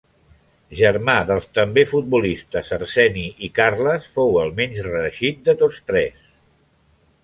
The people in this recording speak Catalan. Germà dels també futbolistes Arseni i Carles, fou el menys reeixit de tots tres.